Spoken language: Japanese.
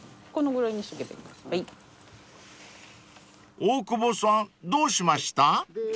［大久保さんどうしました？］